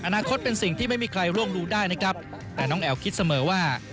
อนาคตเป็นสิ่งที่ไม่มีใครร่วงรู้ได้นะครับแต่น้องแอ๋วคิดเสมอว่า